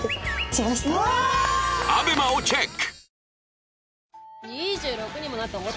ＡＢＥＭＡ をチェック！